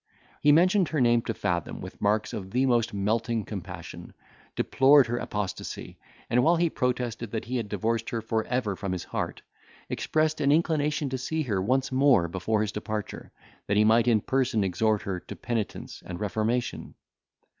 He mentioned her name to Fathom with marks of the most melting compassion, deplored her apostasy, and, while he protested that he had divorced her for ever from his heart, expressed an inclination to see her once more before his departure, that he might in person exhort her to penitence and reformation.